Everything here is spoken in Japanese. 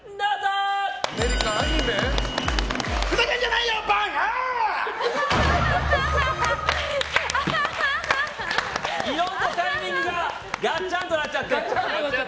いろんなタイミングががっちゃんとなっちゃって。